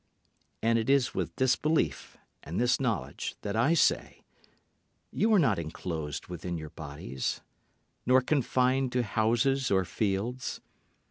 And it is with this belief and this knowledge that I say, You are not enclosed within your bodies, nor confined to houses or fields.